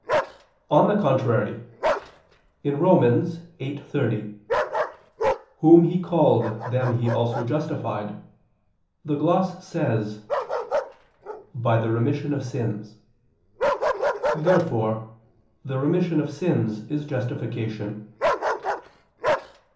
On the contrary, On Rom. 8:30, "Whom He called, them He also justified," the gloss says i.e. "by the remission of sins." Therefore the remission of sins is justification.